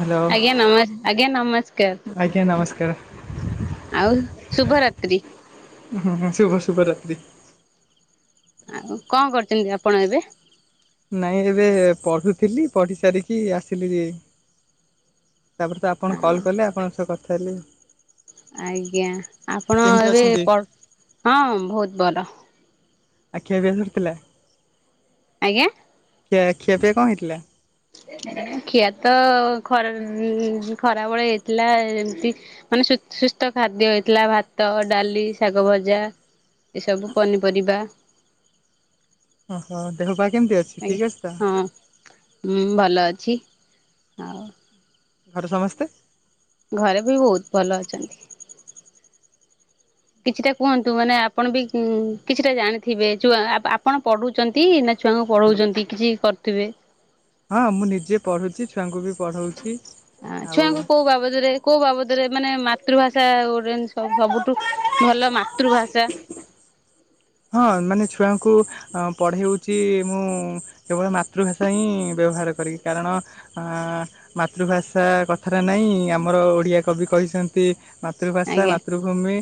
Hello ଆଜ୍ଞା ନମ ଆଜ୍ଞା ଆଜ୍ଞା ନମସ୍କାର ନମସ୍କାର ଆଉ ଶୁଭରାତ ତ୍ରି। ହଁ ହଁ ଶୁଭ ଶୁଭ ରାତ୍ରୀ। ଆଉ କଣ କରୁଛନ୍ତି ଆପଣ ଏବେ। ନାଇଁ ଏବେ ପଢୁଥିଲି ପଢି ସାରିକି ଆସିଲି। ତାପରେ ତ ଆପଣ କଲ୍ କଲେ ଆପଣଙ୍କ ସହ କଥା ହେଲେ। ଆଜ୍ଞା ଆପଣ କେମିତି ଏବେ ଅଛନ୍ତି? ପଡ୍ ହଁ ବହୁତ ଭଲ। ଖିଆ ପିଆ କଣ ଥିଲା। ଆଜ୍ଞା। ଖିଆ ଖିଆ ପିଆ କଣ ହେଇଥିଲେ। ଖିଆ ତ ଖର ଉଁ ଖରାବେଳେ ହେଇଥିଲା ଏମିତି ମାନେ ଶୁସ ସୁସ୍ଥ ଖାଦ୍ୟ ହେଇଥିଲା ଭାତ ଡାଲି ଶାଗ ଭଜା ଏସବୁ ପନିପରିବା। ଓହୋ ଦେହ ପା କେ ଆଜ୍ଞ ହଁ ହଁ ଭଲ ଅଛି। ଅଛି ଆଉ। ଘର ସମସ୍ତେ। ଘରେ ବି ବହୁତ ଭଲ ଅଛନ୍ତି। କିଛିଟା କୁହନ୍ତୁ ମାନେ ଆପଣ ବି କିଛିଟା ଜାଣିଥିବେ ଯୋଉ ଅପ୍ ଆପଣ ପଢୁଛନ୍ତି ନା ଛୁଆଙ୍କୁ ପଢଉଛନ୍ତି କିଛି କରୁଥିବେ। ହଁ ମୁଁ ନିଜେ ପଢୁଛି ଛୁଆଙ୍କୁ ବି ପ ଛୁଆଙ୍କୁ କୋଉ ବାବଦରେ କୋଉ ବାବଦରେ ରେ ମାନେ ମାତୃଭାଷା ଗୋଟେ ଯେମ ଶବ ସବୁଠୁ ଭଲ ମାତୃଭାଷା। ହଁ ମାନେ ଛୁଆଙ୍କୁ ପଢଉଛି ମୁଁ କେବଳ ମାତୃଭାଷା ହିଁ ବ୍ୟବହାର କରିକି କାରଣ ମାତୃଭାଷା କଥଟା ନାହିଁ ଆମର ଓଡ଼ିଆ କବି କହିଛନ୍ତି। ମାତୃଭାଷା ଆଜ୍ଞା ମାତୃଭୂମି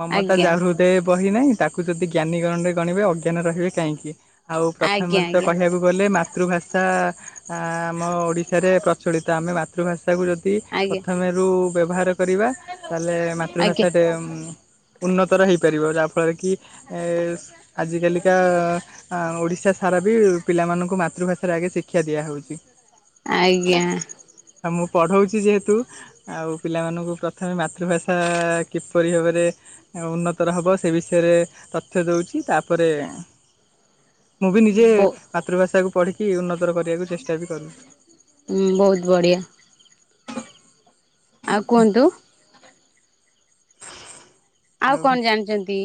ମମତା ଆଜ୍ଞା। ଜାହୃଦୟେ ବହି ନାହିଁ। ତାକୁ ଯଦି ଜ୍ଞାନୀ ଗଣରେ ଗଣିବେ ଅଜ୍ଞାନ ରହିବେ କାହିଁକି। ଆଉ ଆଜ୍ଞା ପ୍ରଥମରେ ତ ଆଜ୍ଞା କହିବାକୁ ଗଲେ ମାତୃଭାଷା। ଆ ଆମ ଓଡିଶାରେ ପ୍ରଚଳିତ ଆମେ ମାତୃଭାଷା। ତାକୁ ଯଦି ଆଜ୍ଞା ପ୍ରଥମେରୁ। ବ୍ୟବହାର। କରିବା ତାହେଲେ ଆଜ୍ଞା ମାତୃଭାଷାଟେ ଉଁ। ଉନ୍ନତର ହେଇପାରିବ ଯାହାଫଳରେ କି ଏ ଆଜିକାଲିକା ଓଡ଼ିଶା ସାରା ବି ପିଲାମାନଙ୍କୁ ମାତୃଭାଷାରେ ଆଗେ ଶିକ୍ଷା ଦିଆହେଉଛି। ଆଜ୍ଞା। ଆଉ ମୁଁ ପଢ଼ଉଛି ଯେହେତୁ ଆଉ ପିଲାମାନଙ୍କୁ ପ୍ରଥମେ ମାତୃଭାଷା କିପରି ଭାବରେ ଉନ୍ନତର ହେବ ସେ ବିଷୟରେ ତଥ୍ୟ ଦେଉଛି ତାପରେ ମୁଁ ବି ନିଜେ ବୋ ମାତୃଭାଷାକୁ ପଢ଼ିକି ଉନ୍ନତର କରିବାକୁ ଚେଷ୍ଟ ହଁ ବହୁତ ବଢ଼ିଆ। ଆଉ କୁହନ୍ତୁ। ଆଉ କଣ ଜାଣିଛନ୍ତି?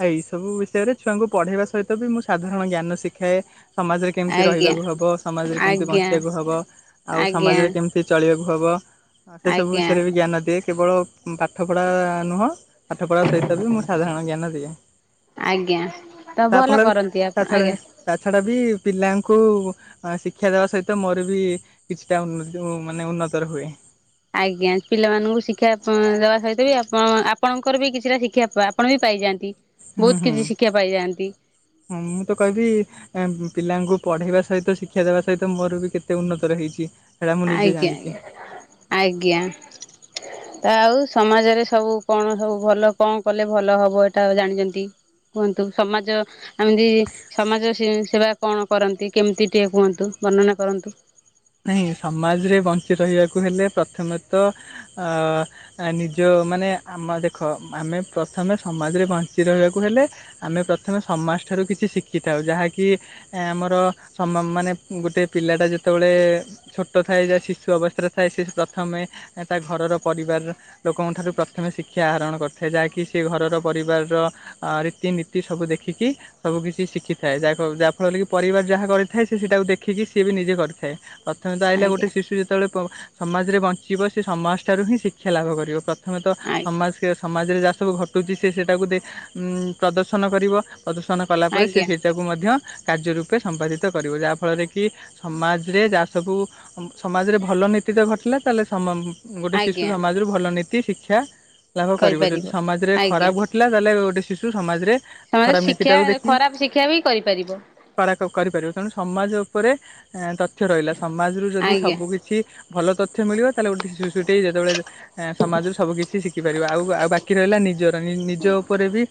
ଆ ଏଇ ସବୁ ବିଷୟରେ ଛୁଆଙ୍କୁ ପଢେଇବା ସହିତ ବି ମୁଁ ସାଧାରଣ ଜ୍ଞାନ ଶିଖାଏ। ସମାଜରେ କେମିତି ଆଜ୍ଞା ରହିବାକୁ ହବ ସମାଜରେ କେମିତି ଆଜ୍ଞା ବଞ୍ଚିବାକୁ ହବ, ଆଉ ଆଜ୍ଞା ସମାଜରେ କେମିତି ଚଳିବାକୁ ହେବ। ହଁ ସେ ସବୁ ଆଜ୍ଞା ବିଷୟରେ ବି ଜ୍ଞାନ ଦିଏ। କେବଳ ପାଠ ପଢ଼ା ନୁହଁ ପାଠ ପଢ଼ା ସହିତ ବି ମୁଁ ସାଧାରଣ ଜ୍ଞାନ ଦିଏ। ହ ଆଜ୍ଞା ତ ଭଲ କରନ୍ତି ତା ଆପଣ ଛଡ଼ା ଆଜ୍ଞା। ତା ଛଡ଼ା ବି ପିଲାଙ୍କୁ ଶିକ୍ଷା ଦେବା ସହିତ ମୋର ବି କିଛିଟା ଉନ ମାନେ ଉନ୍ନତର ହୁଏ। ଆଜ୍ଞା ପିଲାମାନଙ୍କୁ ଶିକ୍ଷା ଦେବା ସହିତ ବି ଆପଣ ଆପଣଙ୍କର ବି କିଛିଟା ଶିକ୍ଷା ଆପଣ ବି ପାଇଯାଆନ୍ତି। ବହୁତ ହୁଁ ହୁଁ କିଛି ଶିକ୍ଷା ପାଇଯାଆନ୍ତି ହ ମୁଁ ତ କହିବି। ପିଲାଙ୍କୁ ପଢ଼େଇବା ସହିତ ଶିକ୍ଷା ଦେବା ସହିତ ମୋର ବି କେତେ ଉନ୍ନତ ରହିଛି। ଆଜ୍ଞା ଆଜ୍ଞା ଆଜ୍ଞା। ତା ଆଉ ସମାଜରେ ସବୁ କଣ ସବୁ ଭଲ କଣ କଲେ ଭଲ ହବ ଏଇଟା ଜାଣିଛନ୍ତି। କୁହନ୍ତୁ ସମାଜ ଏମିତି ସମାଜ ସେବା କଣ କରନ୍ତି, କେମିତି ଟିକେ କୁହନ୍ତୁ ବର୍ଣ୍ଣନା କରନ୍ତୁ। ନହିଁ ସମାଜରେ ବଞ୍ଚି ରହିବାକୁ ହେଲେ, ପ୍ରଥମେତଃ ନିଜ ମାନେ ଆମ ଦେଖ ଆମେ ପ୍ରଥମେ ସମାଜରେ ବଞ୍ଚି ରହିବାକୁ ହେଲେ ଆମେ ପ୍ରଥମେ ସମାଜ ଠାରୁ କିଛି ଶିଖିଥାଉ ଯାହାକି ଆମର ମାନେ ଗୋଟେ ପିଲାଟା ଯେତେବେଳେ ଛୋଟ ଥାଏ ଯାହା ଶିଶୁ ଅବସ୍ଥାରେ ଥାଏ ସେ ପ୍ରଥମେ ତା ଘରର ପରିବାର ଲୋକଙ୍କଠାରୁ ପ୍ରଥମେ ଶିକ୍ଷା ଆହରଣ କରିଥାଏ। ଯାହାକି ସେ ଘରର ପରିବାରର ରୀତିନୀତି ସବୁ ଦେଖିକି ସବୁ କିିଛି ଶିଖିଥାଏ ଯା ଯାହାଫଳରେ କି ପରିବାର ଯାହା କରିଥାଏ ସେ ସେଇଟାକୁ ଦେଖିକି ସିଏ ବି ନିଜେ କରିଏ ସେ ପ୍ରଥମେ ତ ଆହିଲ ଗୋଟେ ଆଜ୍ଞା ଶିଶୁ ଯେତେବେଳେ ସମାଜରେ ବଞ୍ଚିବ ସେ ସମାଜଠାରୁ ହିଁ ଶିକ୍ଷା ଲାଭ କରିବ ପ୍ରଥମେ ତ ଆଜ୍ଞା ସମାଜ ସମାଜରେ ସବୁ ଘଟୁଛି ସେ ସେଇଟାକୁ ପ୍ରଦର୍ଶନ କରିବ। ପ୍ରଦୂଷଣ କଲା ପରେ ସେ ଆଜ୍ଞା ସେଇଟାକୁ ମଧ୍ୟ କାର୍ଯ୍ୟ ରୂପେ ସମ୍ପାଦିତ କରିବ ଯାହାଫଳରେ କି ସମାଜ ରେ ଯାହା ସବୁ ସମାଜରେ ଭଲ ନୀତି ତ ଘଟିଲା, ତା ହେଲେ ସମ ଗୋଟେ ଶିଶୁ ଆଜ୍ଞା ସମାଜ ରରୁ ଭଲ ନୀତି ଶିକ୍ଷା କ୍ଷା ଲାଭ କରିବ କରିପାରିବ। ଯଦି ସମାଜରେ ଖରାପ ଘଟିଲା ତାହେଲେ ଗୋଟେ ଶିଶୁ ସମାଜ ରେ ସେମାନେ ଶିକ୍ଷା ଖରାପ ଶିକ୍ଷା ବି କରିପାରିବ କରା କରିପାରିବ ତେଣୁ ସମାଜ ଉପରେ ରହିଲା ସମାଜରୁ ଯଦି ଆଜ୍ଞା ସବୁ କିିଛି ଭଲ ତଥ୍ୟ ମିଳିବ ତା ହେଲେ ଗୋଟେ ସୁଶୁଟେଇ ଯେତେବେଳେ ସମାଜରୁ ସବୁକିଛି ଶିଖିପାରିବ, ଆଉ ଆଉ ବାକି ରହିଲା ନିଜର ନିଜ ଉପରେ ବି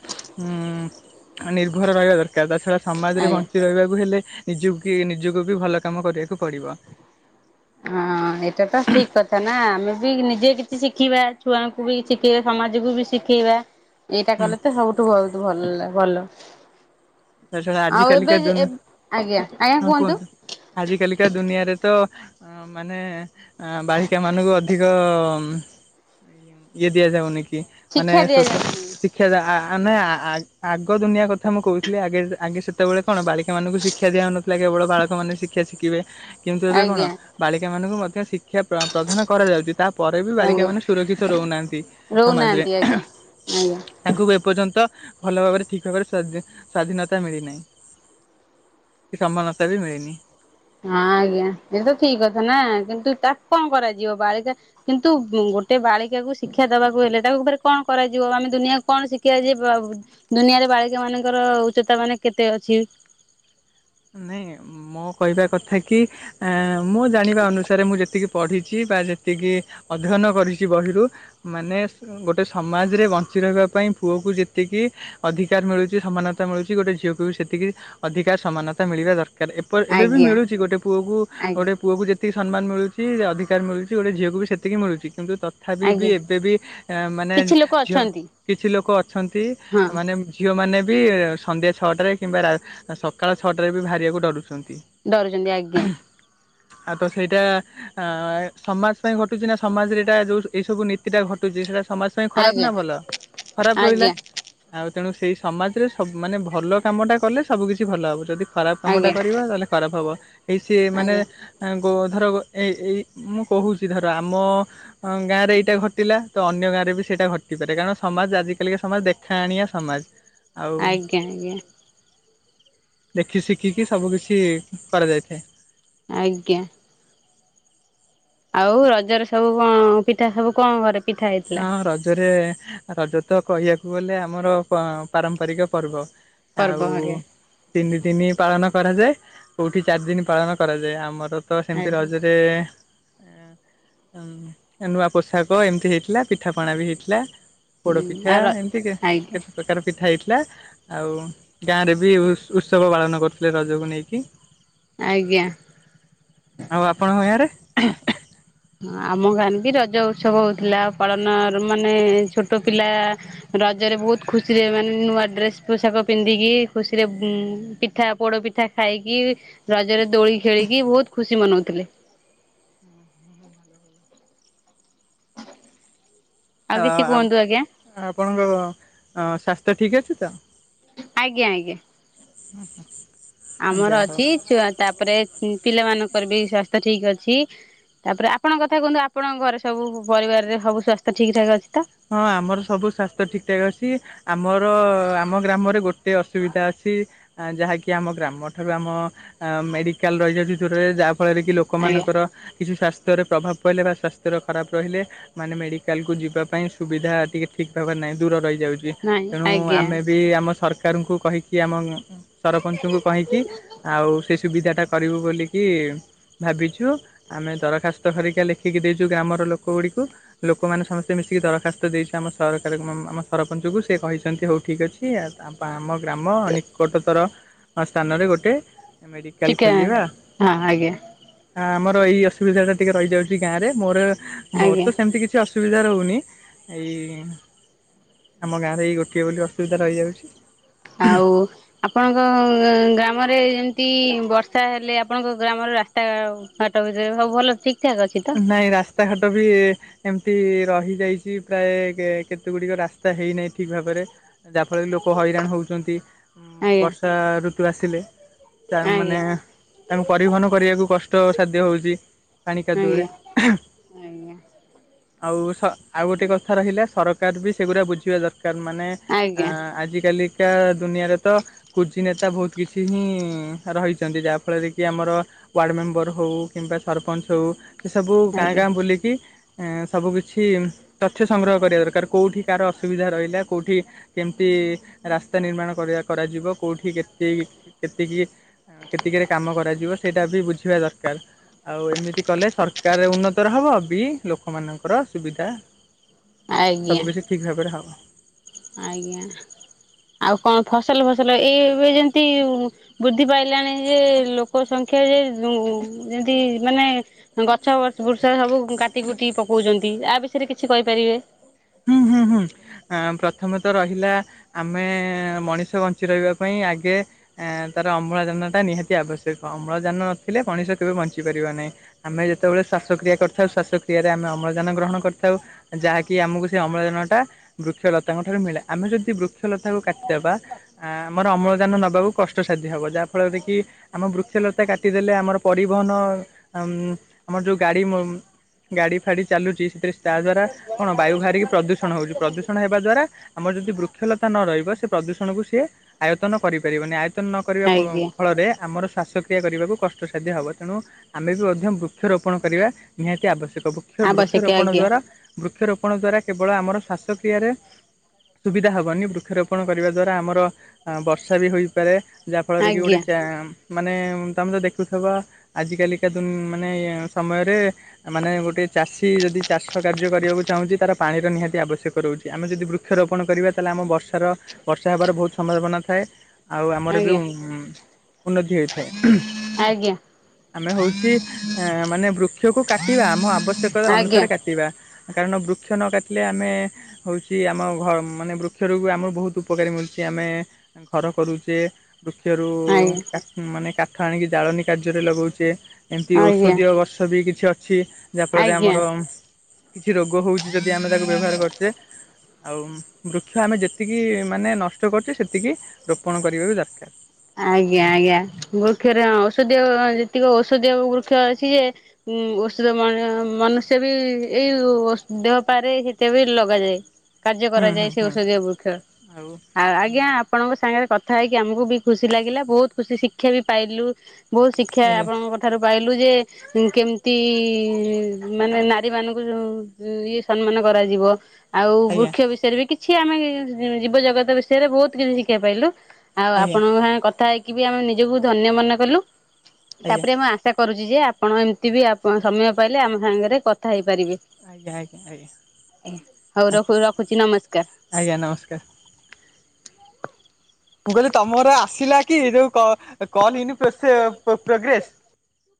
ନିର୍ଭର ରହିବା ଦରକାର ତା ଛଡ଼ା ସମାଜରେ ଆଜ୍ଞା। ବଞ୍ଚି ରହିବାକୁ ହେଲେ ନିଜକୁ ନିଜକୁ ବି ଭଲ କାମ କରିବା କୁ ପଡିବ ହଁ ଏଇଟା ତ ଠିକ କଥା ନା ଆମେ ବି ନିଜେ କିଛି ଶିଖିବା ଛୁଆଙ୍କୁ ବି ଶିଖେଇବା ସମାଜକୁ ବି ଶିଖେଇବା ଏଇଟା ହୁଁ କଲେ ତ ସବୁଠୁ ବହୁତ ଭଲ ଭଲ ତାଛଡା ଆଜି ଆଉ ଏବେ କାଲିକା ଦୁନ ଆଜ୍ଞା ଆଜ୍ଞା ହଁ କୁହନ୍ତୁ ଆଜି କାଲିକା ଦୁନିଆରେ ତ ଅ ମାନେ ଅ ବାଳିକା ମାନଙ୍କୁ ଅଧିକ ଇଏ ଦିଆଯାଉନି କି ତି ମାନେ ଶିକ୍ଷା ସତ ଦିଆଯାଉନି ଶିକ୍ଷା ଯହା ଆ ନାଇଁ ଆ ଆଗ ଆଗ ଦୁନିଆ କଥା ମୁଁ କହୁଛି ଥିଲେ ଆଗେ ଆଗେ ସେତେବେଳେ କଣ ବାଳିକା ମାନଙ୍କୁ ଶିକ୍ଷା ଦିଆଉନଥିଲା କେବଳ ବାଳକ ମାନେ ଶିକ୍ଷା ଶିଖିବେ କିନ୍ତୁ ଏବେ କଣ ଆଜ୍ଞା ବାଳିକା ମାନଙ୍କୁ ମ ଶିକ୍ଷା ପ୍ର ପ୍ରଧାନ କରାଯାଉଚି ତାପରେ ବି ବାଳିକା ଆଜ୍ଞା ମାନେ ସୁରକ୍ଷିତ ରହୁନାହାନ୍ତି ସମାଜରେ ରହୁନାହାନ୍ତି ଆଜ୍ଞା ଏହେଁ ଆଜ୍ଞା ତାଙ୍କୁ ଏପର୍ଯ୍ୟନ୍ତ ଭଲ ଭାବରେ ଠିକ ଭାବରେ ସ ସ୍ଵାଧୀନତା ମିଳିନାହିଁ କି ସମାନତା ବି ମିଳିନି। ହଁ ଆଜ୍ଞା ଏ ତ ଠିକ କଥା ନା କିନ୍ତୁ ତାକୁ କଣ କରାଯିବ ବାଳିକା କିନ୍ତୁ ଗୋଟେ ବାଳିକାକୁ ଶିକ୍ଷା ଦବାକୁ ହେଲେ ତାକୁ ଫେର କଣ କରାଯିବ ଆମେ ଦୁନିଆକୁ କଣ ଶିଖିବା ଯେ ଦୁନିଆରେ ବାଳିକା ମାନଙ୍କର ଉଚ୍ଚତା ମାନେ କେତେ ଅଛି? ନାଇଁ ମୋ କହିବା କଥା କି ଏଁ ମୋ ଜାଣିବା ଅନୁସାରେ ମୁଁ ଯେତିକି ପଢ଼ିଛି ବା ଯେତିକି ଅଧ୍ୟୟନ କରିଛି ବହିରୁ ମାନେ ଗୋଟେ ସମାଜରେ ବଞ୍ଚି ରହିବା ପାଇଁ ପୁଅକୁ ଯେତିକି ଅଧିକାର ମିଳୁଛି ସମାନତା ମିଳୁଛି ଗୋଟେ ଝିଅକୁ ବି ସେତିକି ଅଧିକାର ସମାନ ତା ମିଳିିବା ଦର କାର ଏବେ ବି ଆଜ୍ଞା ମିଳୁଛି ଗୋଟେ ପୁଅକୁ ଆଜ୍ଞା ଗୋଟେ ପୁଅକୁ ଯେ ଯେତିକି ସମ୍ମାନ ମିଳୁଛି ଅଧିକାର ମିଳୁଛି ଗୋଟେ ଝିଅକୁ ବି ସେତିକି ମିଳୁଛି। କିନ୍ତୁ ତଥାପି ବି ଆଜ୍ଞା। ଏବେ ବି ଅ ମାନେ କିଛି ଲୋକ ଝିଅ ଅଛନ୍ତି। କିଛି ଲୋକ ଅଛନ୍ତି ହଁ ମାନେ ଝିଅମାନେ ବି ସଂନ୍ଧ୍ୟା ଛଅଟାରେ କିମ୍ବା ରା ସକାଳ ଛଅଟା ରେ ବି ବାହାରିବାକୁ ଡରୁଛନ୍ ଡରୁଛନ୍ତି ଆଜ୍ଞା ଆଉ ତ ସେଇଟା ଅ ସମାଜ ପାଇଁ ଘଟୁଛି ନା ସମାଜରେ ଏଇଟା ଯୋଉ ଏଇ ସବୁ ନୀତି ଟା ଘଟୁଛି ସେଇଟା ସମାଜ ପାଇଁ ଖରାପ ଆଜ୍ଞା ନା ଭଲ ଖରାପ ରହିଲା ଆଜ୍ଞା ଆଉ। ତେଣୁ ସେଇ ସମାଜରେ ସବ ମାନେ ଭଲ କାମଟା କଲେ ସବୁକିଛି ଭଲ ହେବ। ଖରାପ କାମଟା ଆଜ୍ଞା କରିବା ତାହେଲେ ଖରାପ ହବ। ଏଇ ସିଏ ମାନେ ଆଜ୍ଞା। ଅଁ କୁ ଧର ଏଇ ଏଇ ମୁଁ କହୁଛି ଧର ଆମ ଗାଁରେ ଏଇଟା ଘଟିଲା ତ ଅନ୍ୟ ଗାଁରେ ବି ସେଇଟା ଘଟିପାରେ କାରଣ ସମାଜ ଆଜିକାଲିକା ସମାଜ ଦେଖାଣିଆ ସମାଜ ଆଉ ଆଜ୍ଞା ଆଜ୍ଞା। ଦେଖି ଶିଖିକି ସବୁ କିଛି କରାଯାଇଥାଏ। ଆଜ୍ଞା। ଆଉ ରଜରେ ସବୁ କଣ ପିଠା ସବୁ କଣ ଘରେ? ପିଠା ହେଇଥିଲା? ହଁ ରଜରେ। ରଜ ତ କହିବାକୁ ଗଲେ ଆମର ପାରମ୍ପରିକ ପର୍ବ। ପର୍ବ ଆଉ ହରିକା ତିନି ଦିନି ପାଳନ କରାଯାଏ କୋଉଠି ଚାରି ଦିନ ପାଳନ କରାଯାଏ ଆମର। ତ ସେମତି ଆଜ୍ଞା ରଜ ରେ ନୂଆ ପୋଷାକ ଏମିତି ହେଇ ଥିଲା ପିଠାପଣା ବି ହେଇଥିଲା ପୋଡ ହୁଁ ପିଠା ଆଉ ର ଏମିତି ଆଜ୍ଞା କେତେ ପ୍ରକାର ପିଠା ହେଇ ଥିଲା ଆଉ ଗାଁ ରେ ବି ଉତ୍ସବ ପାଳନ କରୁଥିଲେ ରଜକୁ ନେଇକି। ଆଜ୍ଞା। ଆଉ ଆପଣ ଏଇୟ ରେ ହ [inaudible] ହଁ ଆମ ଗାଁରେ ବି ରଜ ଉତ୍ସବ ହେଉଥିଲା ପାଳନର ମାନେ ଛୋଟ ପିଲା ରଜରେ ବହୁତ ଖୁସିରେ ମାନେ ନୂଆ ଡ୍ରେସ୍ ପୋଷାକ ପିନ୍ଧିକି ଖୁସିରେ ପିଠା ପୋଡ଼ପିଠା ଖାଇକି ରଜ ରେ ଦୋଳି ଖେଳିକି ବହୁତ ଖୁସି ମନଉଥିଲେ ଆଉ ହ କିଛି କୁହନ୍ତୁ ଆଜ୍ଞା। ଆପଣଙ୍କ ସ୍ୱାସ୍ଥ୍ୟ ଠିକ ଅଛି ତ ଆଜ୍ଞା ଆଜ୍ଞା। ହ ହ [inaudible] ଆମର ଅଛିଆ ତାପରେ ପିଲାମାନଙ୍କୁ ଙ୍କ ବି ସ୍ୱାସ୍ଥ୍ୟ ଠିକ୍ ଅଛି ତାପରେ ଆପଣଙ୍କ କଥା କୁହନ୍ତୁ ଆପଣଙ୍କ ଘରେ ସବୁ ପରିବାରରେ ସବୁ ସ୍ୱାସ୍ଥ୍ୟ ଠିକ୍ ଠାକ୍ ଅଛି। ତ? ହଁ ଆମର ସବୁ ସ୍ଵାସ୍ଥ୍ୟ ଠିକ ଠାକ୍ ଅଛି। ଆମର ଆମ ଗ୍ରାମରେ ଗୋଟେ ଅସୁବିଧା ଅଛି ଯାହାକି ଆମ ଗ୍ରାମଠାରୁ ଆମ ମେଡ଼ିକାଲ ରହିଯାଉଛି ଦୂରରେ ଯାହା ଫଳରେ କି ଆଜ୍ଞା। ଲୋକମାନଙ୍କର କିଛି ସାସ୍ଥ ଖ [inaudible] ସୁବିଧା ଟିକେ ଠିକ ଭାବ ନାହିଁ ଦୂର ରହିଛି। ଯାଉଛି ନାଇଁ ତେଣୁ ଆଜ୍ଞା ଆମେ ବି ଆମ ସରକାର ଶକାରଙ୍କୁ କହିକି ଆମ [inaudible] ସରପଞ୍ଚଙ୍କୁ କହିକି ଆଉ ସେ ସୁବିଧାଟା କରିବୁ ବୋଲିକି ଭାବିଛୁ ଆମେ ଦରଖାସ୍ତ କରରିକା ଲେଖିକି ଦେଇଛୁ ଗ୍ରାମର ଲୋକ ଗୁଡ଼ିକୁ ଲୋକମାନେ ସମସ୍ତେ ମିଶିକି ଦରଖା ଗ ଦେଇଛି ଆମ ସରକାର ଆମ ସରପଞ୍ଚଙ୍କୁ ସେ କହିଛନ୍ତି ହଉ ଠିକ୍ ଅଛି ତା ଆମ ଗ୍ରାମ ଅନ କଟତର ସ୍ଥାନରେ ଗୋଟେ ମେଡ଼ିକାଲ ଚିକେନ୍ ହଁ ଆେ [inaudible] ହ ଆମର ଏଇ ଅସୁବିଧା ଟା ଟିକେ ରହିଯାଉଛି ଗାଁ ରେ ମୋର ମୋର ଆଜ୍ଞା। ତ ସେମିତି କିଛି ଅୁଧା ସୁବିଧା ରହୁନି ଏଇ ଆମ ଗାଁରେ ଏଇ ଗୋଟିଏ ବୋଲି ଅସୁବିଧା ରହିଯାଉଛି, ଆଉ ଆପଣଙ୍କ ଗ୍ରାମରେମତି ଏତି ବର୍ଷା ହେଲେ ଆପଣଙ୍କ ଗ୍ରାମର ରାସ୍ତାଘାଟ ଭିତରେ ସବ ଭଲ ଠିକ ଠାକ୍ ଅଛି ତ? ନାଇଁ ରାସ୍ତାଘାଟ ବି ଏମିତି ରହିଯାଇଛି ପ୍ରାୟ କେତେ ଗୁଡିକ ରାସ୍ତା ହେଇନାଇଁ ଠିକ୍ ଭାବରେ ଯାହାଫଳରେ ଲୋକ ହଇରାଣ ହେଉଛନ୍ତି ଆଜ୍ଞା ବର୍ଷା ଋତୁ ଆସିଲେ ତା ମାନେ ଆଜ୍ଞା ତାଙ୍କୁ ପରିବହନ କରିଆକୁ କଷ୍ଟ ସାଧ୍ୟ ହଉଛି ପାଣି କେ ଜୋରେ ଆଜ୍ଞା ଆଉ ଆଉ ଗୋଟେ କଥା ରହିଲା ସରକାର ବି ସେଗୁରା ବୁଝିବା ଦର କାର ମାନେ ଆଜ୍ଞା ଆଜ୍ଞା ଆଜିକାଲିକା ଦୁନିଆରେ ତ କୁଜି ନେତା ବହୁତ କିଛି ହିଁ ରହିଛନ୍ତି ଯାହାଫଳରେ କି ଆମର ୱାର୍ଡ଼ ମେମ୍ବର ହେଉ କିମ୍ବା ସରପଞ୍ଚ ହଉ ଏସବୁ ସବୁ ଗାଁ ଆଜ୍ଞା ଗାଁ ବୁଲିକି ସବୁ କିିଛି ତଥ୍ୟ ସଂଗ୍ରହ କରିବା ଦରକାର କୋଉଠି କାହାର ଅସୁବିଧା ରହିଲା କୋଉଠି କେମତି ରାସ୍ତା ନିର୍ମାଣ କରିଆ କରାଯିବ କୋଉଠି କେତିକି କେତିକି ହଁ କେତିକିରେ କାମ କରାଯିବ ସେଇଟା ବି ବୁଝିବା ଦରକାର ଆଉ ଏମିତି କଲେ ସରକାର ଉନ୍ନତର ହବ ବି ଲୋକମାନଙ୍କର ସୁବିଧା ଆଜ୍ଞା ସବୁ କିଛି ଠିକ୍ ଭାବରେ ହବ। ଆଜ୍ଞା ଆଉ କଣ ଫସଲ ଫସଲ ଏଇ ଏବେ ଯେମତି ବୃଦ୍ଧି ପାଇଲାଣି ଯେ ଲୋକ ସଂଖ୍ୟା ଯେ ଯେନ୍ତି ମାନେ ଗଛ ବୃଚ୍ଛ ସବୁ କାଟି କୁଟିକି ପକଉଛନ୍ତି ଆ ବିଷୟରେ କିଛି କହିପାରିବେ। ହୁଁ ହୁଁ ହୁଁ ପ୍ରଥମତଃ ରହିଲା ଆମେ ମଣିଷ ବଞ୍ଚି ରହିବା ପାଇଁ ଆଗେ ତାର ଅମ୍ଳଜାନ ଟା ନିହାତି ଆବଶ୍ୟକ ଅମ୍ଳଜାନ ନଥିଲେ ମଣିଷ କେବେ ବଞ୍ଚିପାରିବ ନାହିଁ ଆମେ ଯେତେବେଳେ ଶ୍ୱାସକ୍ରିୟା କରିଥାଉ ଶ୍ୱାସକ୍ରିୟାରେ ଆମେ ଅମ୍ଳଜାନ ଗ୍ରହଣ କରିଥାଉ ଯାହାକି ଆମକୁ ସେ ଅମ୍ଳଜାନଟା ବୃକ୍ଷଲତାଙ୍କ ଠାରୁ ମିଳେ ଆମେ ଯଦି ବୃକ୍ଷ କ୍ଷ ଲତାକୁ କାଟିଦେବା ଆମର ଅମ୍ଳଜାନ ଦେକୁ କଷ୍ଟସାଧ୍ୟ ହେବ ଯାହାଫଳରେ କି ଆମ ବୃକ୍ଷଲତା କାଟିଦେଲେ ଆମର ପରିବହନ ଆମର ଯୋଉ ଗାଡ଼ି ଗାଡ଼ି ଫାଡ଼ି ଚାଲୁଛି ସେଥିରେ ତା ଦ୍ଵାରା କଣ ବାୟୁ ବାହାରିକି ପ୍ରଦୂଷଣ ହେଉଛି ପ୍ରଦୂଷଣ ହେବା ଦ୍ୱାରା ଆମର ଯଦି ବୃକ୍ଷଲତା ନ ରହିବ ସେ ପ୍ରଦୂଷଣକୁ ସିଏ ଆୟତନ କରିପାରିବନି ଆ ତନ କରିବା ଆଜ୍ଞା ଫଳରେ ଆମର ଶ୍ୱାସକ୍ରିୟା କରିବାକୁ କଷ୍ଟସାଧ୍ୟ ହେବ ତେଣୁ ଆମେ ବି ମଧ୍ୟ ବୃକ୍ଷରୋପଣ କରିବା ନିହାତି ଆବଶ୍ୟକ। ବୃକ୍ଷ ଆବଶ୍ୟକ ବୃକ୍ଷରୋପଣ ଆଜ୍ଞା ଦ୍ଵାରା ବୃକ୍ଷରୋପଣ ଦ୍ଵାରା କେବଳ ଆମର ଶ୍ଵାସକ୍ର୍ରିୟାରେ ସୁବିଧା ହବନି ବୃକ୍ଷରୋପଣ କରିବା ଦ୍ଵାରା ଆମର ବର୍ଷା ବି ହୋଇପାରେ ଯାହାଫଳରେ କି ଗୋଟେ ଆଜ୍ଞା ଚା ମାନେ ତମେ ତ ଦେଖୁଥିବ ଆଜିକାଲିକା ମାନେ ସମୟରେ ମାନେ ଗୋଟେ ଚାଷୀ ଯଦି ଚାଷ କାର୍ଯ୍ୟ କରିଆକୁ ଚାହୁଁଛି ତାର ପାଣିର ନିହାତି ଆବଶ୍ୟକ ରହୁଛି ଆମେ ଯଦି ବୃକ୍ଷରୋପଣ କରିବା ତାହେଲେ ଆମ ବର୍ଷାର ବର୍ଷା ହେବାର ବହୁତ ସମ୍ଭାବନା ଥାଏ ଆଉ ଆମର ବି ଆଜ୍ଞା ଉ ଉନ୍ନତି ହୋଇଥାଏ। ଆଜ୍ଞା ଆମେ ହଉଛି ଅ ମାନେ ବୃ କ୍ଷକୁ କାଟିବା ଆମ ଆବ ଆବଶ୍ୟକତା ଆଜ୍ଞା ଅନୁସାରେ କାଟିବା କାରଣ ବୃ ବୃକ୍ଷ ନ କାଟିଲେ ଆମେ ହଉଛି ଆମ ଘ ମାନେ ବୃକ୍ଷରୁ ଆମ ବହୁତ ଉପକାରୀ ମିଳୁଛି ଆମେ ଘର କରୁଚେ କ୍ଷରୁ ଆଜ୍ଞା କା ମାନେ କା ହାଣିକି ଜାଳେଣି କାର୍ଯ୍ୟରେ ଲଗଉଚେ ଏମିତି ଆଜ୍ଞା ଔଷଧୀୟ ଗଛ ବି କିଛି ଅ ଛି ଯାହାଫଳରେ ଆଜ୍ଞା। ଆମର କିଛି ରୋଗ ଯି ଆମେ ତାକୁ ବ୍ୟବହାର କରିୁ ସେ ଆଉ ବୃକ୍ଷ ଆମେ ଯେତିକି ମାନେ ନଷ୍ଟ କରୁଛେ ସେତିକି ରୋପଣ କରିବା ବି ଦରକାର ଆଜ୍ଞା ଆଜ୍ଞା ବୃକ୍ଷରେ ହ ଔଷଧୀୟ ଯେତିକି ଔଷଧୀୟ ବୃକ୍ଷ ଅଛି ଯେ ଔଷଧ ମନୁଷ୍ୟ ବି ଏଇ ଦେହପାରେ ସେତ ବି ଲଗାଯାଏ କାର୍ଯ୍ୟ ହୁଁ କରାଯାଏ ହୁଁ ସେ ହୁଁ ଔଷଧୀୟ ବୃକ୍ଷ ଆଉ ଆଜ୍ଞା ଆପଣଙ୍କ ସାଙ୍ଗରେ କଥା ହେଇକି ଆମକୁ ବି ଖୁସି ଲାଗିଲା ବହୁତ ଖୁସି ଶିକ୍ଷା ବି ପାଇଲୁ ବହୁତ ଶିକ୍ଷା ଆଜ୍ଞା ଆପଣଙ୍କ ଠାରୁ ପାଇଲୁ ଯେ କେମିତି ମାନେ ନାରୀ ମାନଙ୍କୁ ଯୋଉ ଇଏ ସମ୍ମାନ କରାଯିବ ଆଉ ଆଜ୍ଞା ବୃକ୍ଷ ବିଷୟରେ ବି କିଛି କିଛି ଆମେ ଜୀବ ଜଗତ ବିଷୟରେ ବହୁତ କିଛି ଶିଖିବା ପାଇଲୁ ଆଉ ଆଜ୍ଞା ଆପଣଙ୍କ ସାଙ୍ଗେ କଥା ହେଇକି ଆମେ ନିଜକୁ ଧନ୍ୟ ମନେ କଲୁ ଆଜ୍ଞା ତାପରେ ମୁଁ ଆଶା କରୁଛି ଜି ଯେ ଆପଣ ଏମିତି ବି ସମୟ ପାଇଲେ ଆମ ସାଙ୍ଗରେ କଥା ହେଇ ପାରିବେ ଆଜ୍ଞା ଆଜ୍ଞା ଆଜ୍ଞା ହଉ ଆଜ୍ଞା ରଖ ରଖୁଛି ନମସ୍କାର ମୁଁ କହିଲି ତମର ଆସିଲା କି ଯୋଉ କନ ଇନ ପ୍ରୋଗ୍ରେସ୍